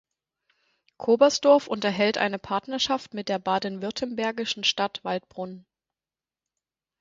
Kobersdorf unterhält eine Partnerschaft mit der baden-württembergischen Stadt Waldbrunn.